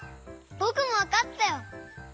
ぼくもわかったよ！